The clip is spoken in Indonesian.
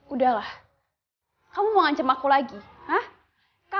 udahlah kamu mau ngancam aku lagi hah